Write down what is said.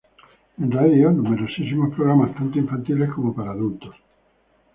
En Radio numerosísimos programas tanto infantiles como para adultos.